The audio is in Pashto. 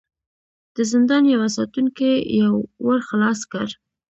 د زندان يوه ساتونکي يو ور خلاص کړ.